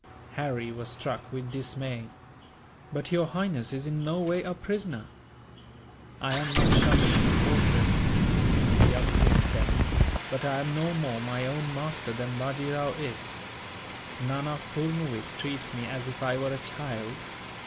Harry was struck with dismay. "But Your Highness is in no way a prisoner!" "I am not shut up in a fortress," the young prince said, "but I am no more my own master than Bajee Rao is. Nana Furnuwees treats me as if I were a child.